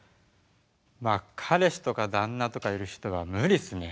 まあ彼氏とか旦那とかいる人は無理っすね。